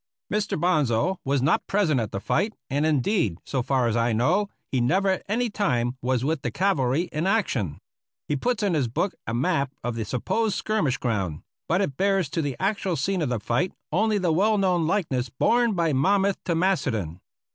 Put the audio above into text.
Mr. Bonsal was not present at the fight, and, indeed, so far as I know, he never at any time was with the cavalry in action. He puts in his book a map of the supposed skirmish ground; but it bears to the actual scene of the fight only the well known likeness borne by Monmouth to Macedon.